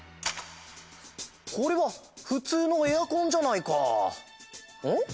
これはふつうのエアコンじゃないか。